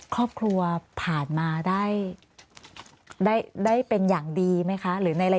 ครอบครัวผ่านมาได้ได้เป็นอย่างดีไหมคะหรือใน